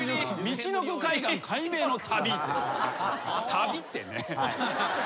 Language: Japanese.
「旅」ってね。